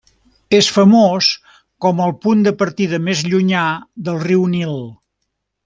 És famós com el punt de partida més llunyà del riu Nil.